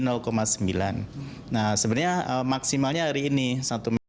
nah sebenarnya maksimalnya hari ini satu meter